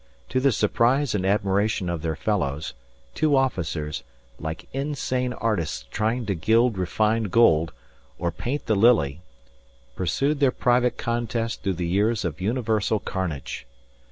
To the surprise and admiration of their fellows, two officers, like insane artists trying to gild refined gold or paint the lily, pursued their private contest through the years of universal carnage.